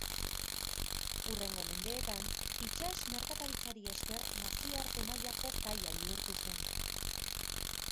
Hurrengo mendeetan itsas merkataritzari esker nazioarte mailako kaia bihurtu zen.